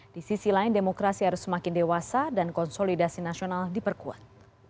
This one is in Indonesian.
di sisi lain demokrasi harus semakin dewasa dan konsolidasi nasional diperkuat